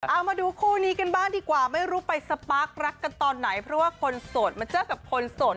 เอามาดูคู่นี้กันบ้างดีกว่าไม่รู้ไปสปาร์ครักกันตอนไหนเพราะว่าคนโสดมาเจอกับคนโสด